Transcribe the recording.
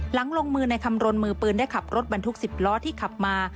ลงมือในคำรณมือปืนได้ขับรถบรรทุก๑๐ล้อที่ขับมา